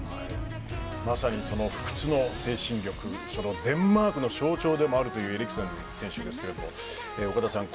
まさに不屈の精神力そのデンマークの象徴でもあるというエリクセン選手ですが岡田さん